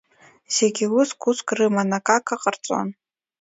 Зегьы уск-уск рыман, акака ҟарҵон.